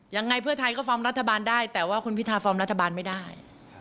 ยังไงเพื่อไทยก็ฟอร์มรัฐบาลได้แต่ว่าคุณพิทาฟอร์มรัฐบาลไม่ได้